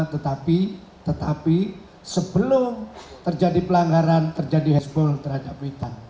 tetapi sebelum terjadi pelanggaran terjadi handsball terhadap witan